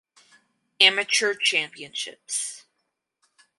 Amateur championships.